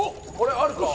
あるか？